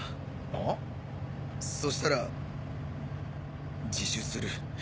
あ？そしたら自首する。